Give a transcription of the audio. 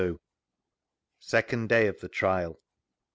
Second day of the Trial.